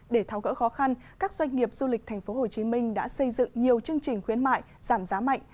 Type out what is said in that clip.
để tháo gỡ khó khăn các doanh nghiệp du lịch tp hcm đã xây dựng nhiều chương trình khuyến mại giảm giá mạnh